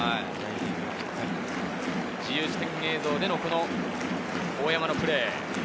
自由視点映像での大山のプレー。